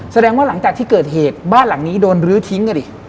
แสดงว่าหลังจากที่เกิดเหตุบ้านหลังนี้โดนรื้อทิ้งกันดิ